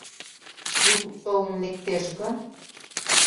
Трук толын лектеш гын?